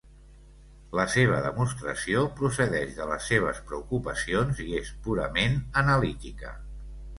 La seva demostració procedeix de les seves preocupacions i és purament analítica.